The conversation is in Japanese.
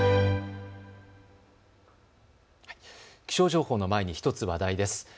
気象情報の前に１つ話題です。